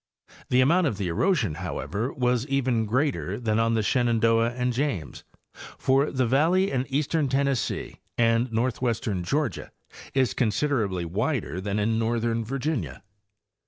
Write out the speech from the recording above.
_The amount of the erosion, however, was even greater than on the Shenandoah and James, for the valley in eastern Ten nessee and northwestern Georgia is considerably wider than in northern Virginia.